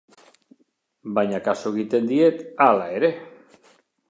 Baina kasu egiten diet, hala ere.